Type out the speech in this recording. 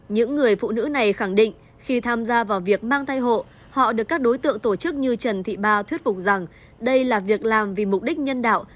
những người phụ nữ này khẳng định khi tham gia vào việc mang thai hộ họ được các đối tượng tổ chức như trần thị ba thuyết phục rằng đây là việc làm vì mục đích nhân đạo